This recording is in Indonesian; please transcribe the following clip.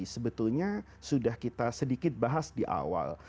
sebetulnya sudah kita sedikit bahas di awal